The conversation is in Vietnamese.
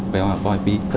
về voice beat